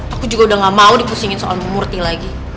aku juga udah gak mau dipusingin soalmu murty lagi